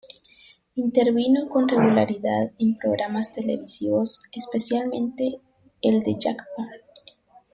Intervino con regularidad en programas televisivos, especialmente en el de Jack Paar.